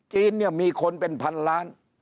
จีนเนี่ยมีคนเป็นพันล้าน